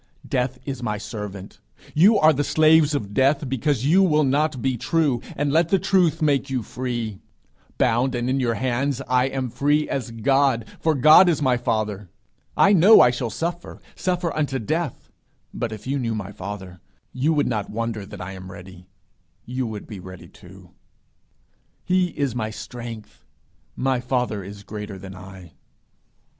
Death is my servant; you are the slaves of Death because you will not be true, and let the truth make you free. Bound, and in your hands, I am free as God, for God is my father. I know I shall suffer, suffer unto death, but if you knew my father, you would not wonder that I am ready; you would be ready too. He is my strength. My father is greater than I.'